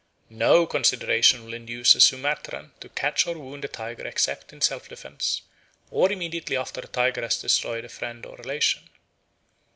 No consideration will induce a Sumatran to catch or wound a tiger except in self defence or immediately after a tiger has destroyed a friend or relation.